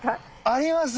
あります。